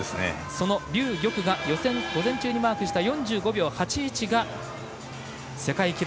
その劉玉が予選午前中にマークした４５秒８１が世界記録。